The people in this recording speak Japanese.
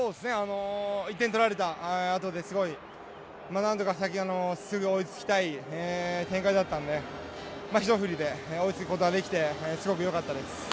１点取られたあとですごい、なんとかすぐ追いつきたい展開だったのでひと振りで追いつくことができてすごくよかったです。